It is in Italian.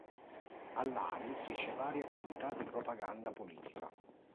A Lari fece varie attività di propaganda politica.